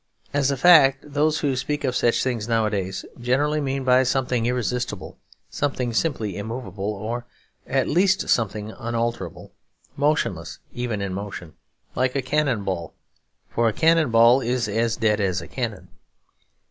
As a fact, those who speak of such things nowadays generally mean by something irresistible something simply immovable, or at least something unalterable, motionless even in motion, like a cannon ball; for a cannon ball is as dead as a cannon.